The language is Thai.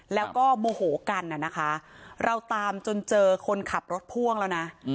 แล้วก็โมโหกันนะคะเราตามจนเจอคนขับรถพ่วงแล้วนะ